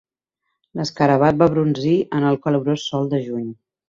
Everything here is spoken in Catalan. L'escarabat va brunzir en el calorós sol de juny.